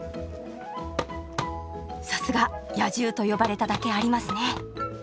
さすが「野獣」と呼ばれただけありますね！